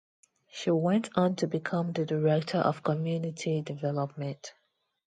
She went on to become the director of community development.